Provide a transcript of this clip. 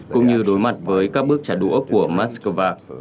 cũng như đối mặt với các bước trả đũa của moscow